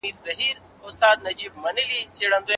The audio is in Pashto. هغې خپله تېروتنه په ډېر ورین تندي ومنله.